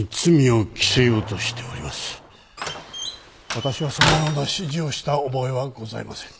私はそのような指示をした覚えはございません。